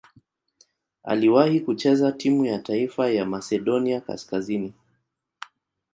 Aliwahi kucheza timu ya taifa ya Masedonia Kaskazini.